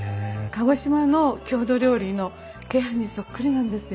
鹿児島の郷土料理の鶏飯にそっくりなんですよ。